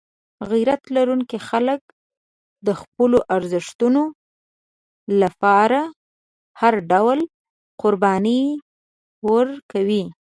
غیرت لرونکي خلک د خپلو ارزښتونو لپاره هر ډول قرباني ورکوي.